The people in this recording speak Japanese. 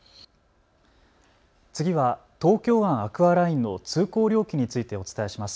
次は東京湾アクアラインの通行料金についてお伝えします。